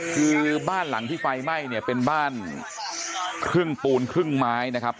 คือบ้านหลังที่ไฟไหม้เนี่ยเป็นบ้านครึ่งปูนครึ่งไม้นะครับ